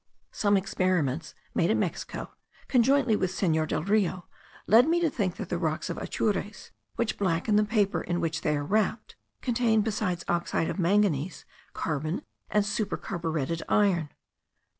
Some experiments made at Mexico, conjointly with Senor del Rio, led me to think that the rocks of Atures, which blacken the paper in which they are wrapped,* contain, besides oxide of manganese, carbon, and supercarburetted iron.